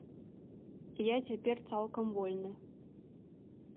Я цяпер цалкам вольны.